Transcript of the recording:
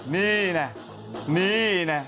นี่แหละนี่แหละ